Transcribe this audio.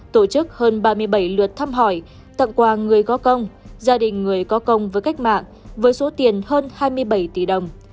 tổ chức hơn ba mươi bảy lượt thăm hỏi tặng quà người có công gia đình người có công với cách mạng với số tiền hơn hai mươi bảy tỷ đồng